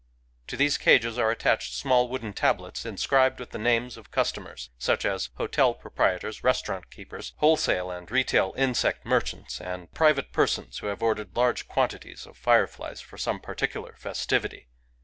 To these cages are attached small wooden tablets inscribed with the names of customers, — such as hotel proprietors, restaurant keepers, wholesale and retail insect merchants, and private persons who have ordered large quantities of fireflies for some particular festivity.